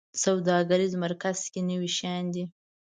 سوداګریز مرکز کې نوي شیان دي